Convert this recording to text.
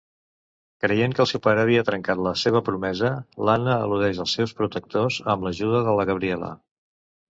Creient que el seu pare havia trencat la seva promesa, l'Anna eludeix els seus protectors amb l'ajuda de la Gabriela.